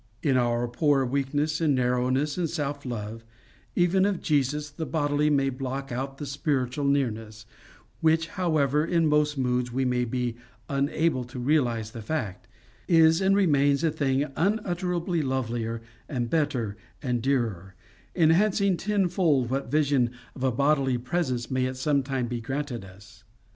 In our poor weakness and narrowness and self love, even of Jesus the bodily may block out the spiritual nearness, which, however in most moods we may be unable to realise the fact, is and remains a thing unutterably lovelier and better and dearer enhancing tenfold what vision of a bodily presence may at some time be granted us.